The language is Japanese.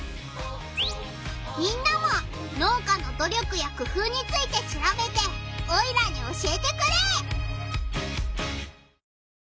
みんなも農家の努力やくふうについてしらべてオイラに教えてくれ！